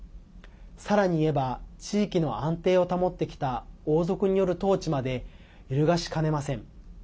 さらにいえば地域の安定を保ってきた王族による統治まで揺るがしかねません。